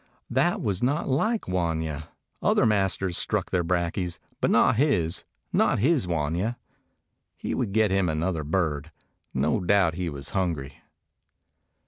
That was not like Wanya. Other masters struck their brakjes, but not his — not his Wanya. He would get him another bird. No doubt he was hungry.